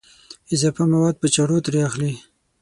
اضافه مواد په چړو ترې اخلي.